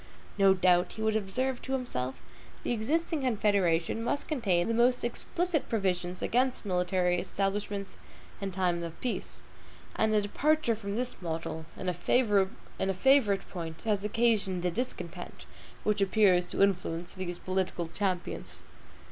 No doubt, he would observe to himself, the existing Confederation must contain the most explicit provisions against military establishments in time of peace; and a departure from this model, in a favorite point, has occasioned the discontent which appears to influence these political champions.